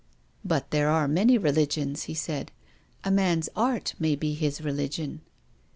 " But there are many religions," he said. " A man's art may be his religion."